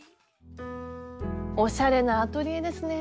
おしゃれなアトリエですね。